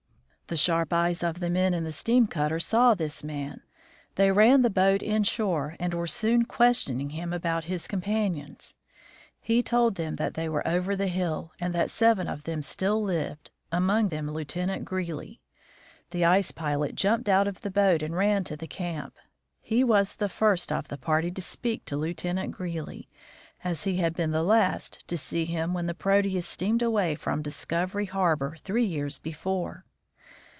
The sharp eyes of the men in the steam cutter saw this man. They ran the boat inshore and were soon question ing him about his companions. He told them that they were over the hill, and that seven of them still lived, among them Lieutenant Greely. The ice pilot jumped out of the boat and ran to the camp. He was the first of the party to speak to Lieutenant Greely, as he had been the last to see him when the Proteus steamed away from Discov ery harbor three years before.